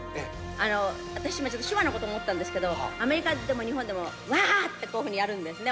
あの私今ちょっと手話の事思ったんですけどアメリカでも日本でもワー！ってこういうふうにやるんですね。